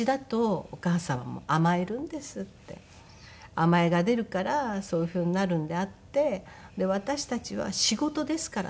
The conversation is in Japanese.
「甘えが出るからそういうふうになるのであって」で「私たちは仕事ですから」と。